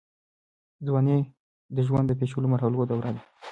ځوانۍ د ژوند د پېچلو مرحلو دوره ده.